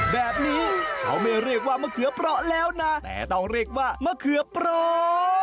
แบบนี้เขาไม่เรียกว่ามะเขือเปราะแล้วนะแต่ต้องเรียกว่ามะเขือเปราะ